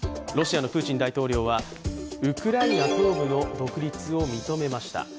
ロシアのプーチン大統領はウクライナ東部の独立を認めました。